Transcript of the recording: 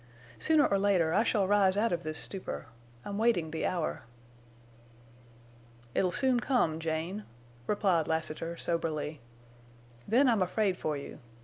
Sooner or later I shall rise out of this stupor. I'm waiting the hour." "It'll soon come, Jane," replied Lassiter, soberly. "Then I'm afraid for you.